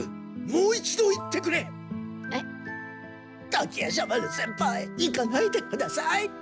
「滝夜叉丸先輩行かないでください」と。